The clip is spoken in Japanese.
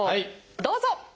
どうぞ！